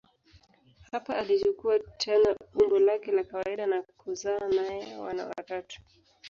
Hapa alichukua tena umbo lake la kawaida na kuzaa naye wana watatu.